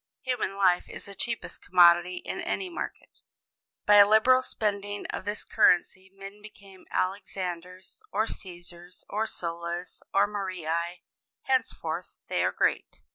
Human life is the cheapest commodity in any market. By a liberal spending of this currency men become Alexanders or Cæsars, or Sullas, or Marii: henceforth they are "Great."